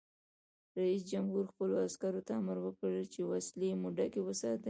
رئیس جمهور خپلو عسکرو ته امر وکړ؛ وسلې مو ډکې وساتئ!